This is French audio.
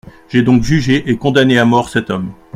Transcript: J'ai donc jugé et condamné à mort cet homme.